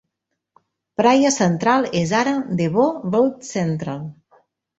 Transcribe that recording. Praya central és ara Des Voeux Road Central.